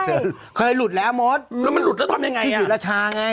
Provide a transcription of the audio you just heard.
ใช่เคยหลุดแล้วโม๊ธอืมแล้วมันหลุดแล้วทำไงไงพี่ศิลจาไง